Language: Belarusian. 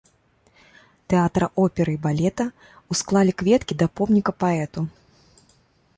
Тэатра оперы і балета, усклалі кветкі да помніка паэту.